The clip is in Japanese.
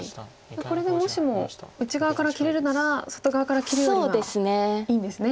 これでもしも内側から切れるなら外側から切るよりはいいんですね。